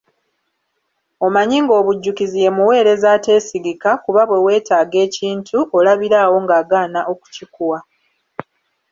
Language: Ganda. Omanyi ng'obujjukizi ye muweereza ateesigika, kuba bwe weetaaga ekintu, olabira awo ng'agaana okukikuwa.